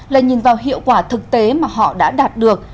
là nhìn vào hiệu quả thực tế mà họ đã đạt được